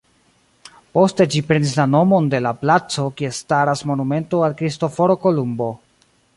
Poste ĝi prenis la nomon de la placo kie staras monumento al Kristoforo Kolumbo.